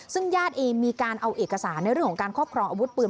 ซึ่งญาติเองมีการเอาเอกสารในเรื่องของการครอบครองอาวุธปืน